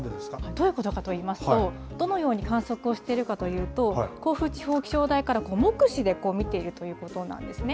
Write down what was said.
どういうことかといいますと、どのように観測をしているかというと、甲府地方気象台から目視で見ているということなんですね。